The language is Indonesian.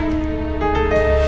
aku mau ke kamar